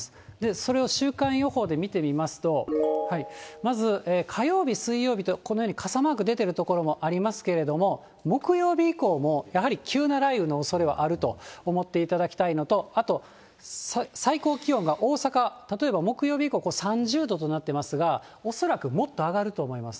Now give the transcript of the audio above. それを週間予報で見てみますと、まず、火曜日、水曜日と、このように傘マーク、出ている所もありますけれども、木曜日以降もやはり急な雷雨のおそれはあると思っていただきたいのと、あと、最高気温が大阪、例えば木曜日以降、３０度となっていますが、恐らくもっと上がると思います。